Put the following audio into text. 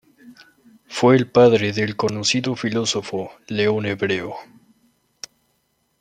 Fue el padre del conocido filósofo León Hebreo.